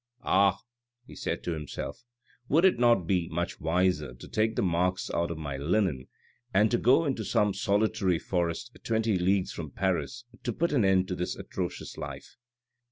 " Ah," he said to himself, " would it not be much wiser to take the marks out of my linen and to go into some solitary forest twenty leagues from Paris to put an end to this atrocious life